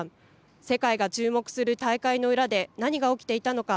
世界が注目する大会の裏で何が起きていたのか。